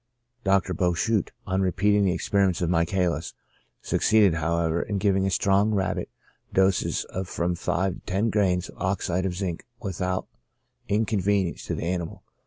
Dr. Bou chut, on repeating the experiments of Michaelis, succeed ed, however, in giving a strong rabbit doses of from five to ten grains of oxide of zinc without inconvenience to the animal.